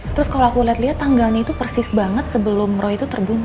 terus kalau aku lihat lihat tanggalnya itu persis banget sebelum roh itu terbunuh